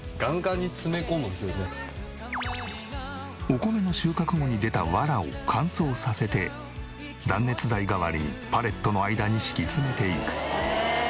お米の収穫後に出たわらを乾燥させて断熱材代わりにパレットの間に敷き詰めていく。